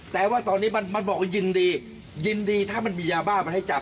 แต่ว่าตอนนี้มันบอกว่ายินดียินดีถ้ามันมียาบ้ามาให้จับ